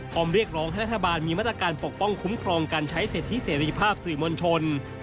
เรียกร้องให้รัฐบาลมีมาตรการปกป้องคุ้มครองการใช้สิทธิเสรีภาพสื่อมวลชน